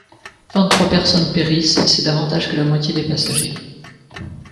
Vingt-trois personnes périssent, c'est davantage que la moitié des passagers.